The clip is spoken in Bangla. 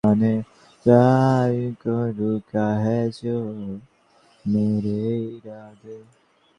এই কলামে বহুবার বলা হয়েছে, বিএনপির উচিত সংবিধানের অধীনেই নির্বাচনে যাওয়া।